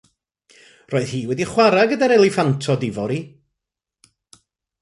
Roedd hi wedi chwarae gyda'r eliffantod ifori.